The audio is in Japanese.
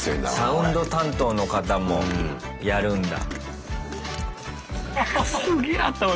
サウンド担当の方もやるんだ。